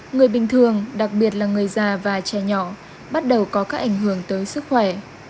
người bình thường đặc biệt là người già và trẻ nhỏ bắt đầu có các ảnh hưởng tới sức khỏe